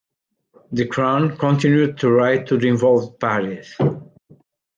The crown continued to write to the involved parties.